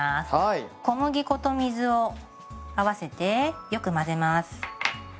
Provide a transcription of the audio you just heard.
小麦粉と水を合わせてよく混ぜます。